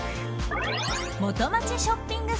元町ショッピング